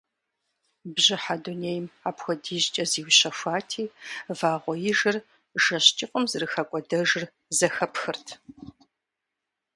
Бжьыхьэ дунейм апхуэдизкӏэ зиущэхуати, вагъуэижыр жэщ кӏыфӏым зэрыхэкӏуэдэжыр зэхэпхырт.